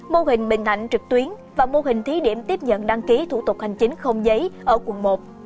mô hình bình hạnh trực tuyến và mô hình thí điểm tiếp nhận đăng ký thủ tục hành chính không giấy ở quận một